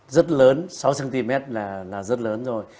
rất lớn sáu cm là rất lớn rồi